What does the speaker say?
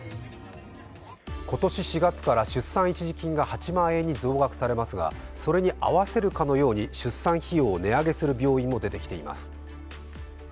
今年４月から出産育児一時金が８万円に増額しますがそれに合わせるかのように出産費用を値上げする病院も出てきています。